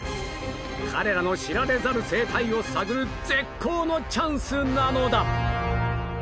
彼らの知られざる生態を探る絶好のチャンスなのだ！